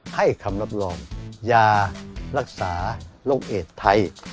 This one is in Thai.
ให้คำรับรองยารักษาโรคเอดไทย